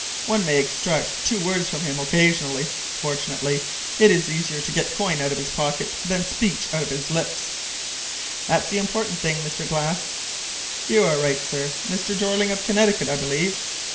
One may extract two words from him occasionally. Fortunately, it is easier to get coin out of his pocket than speech out of his lips." "That's the important thing, Mr. Glass." "You are right, sir Mr. Jeorling, of Connecticut, I believe?"